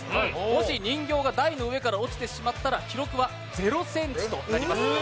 もし人形が台の上から落ちてしまったら記録は０センチとなります。